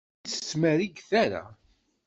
Ur tt-ttmerriget ara!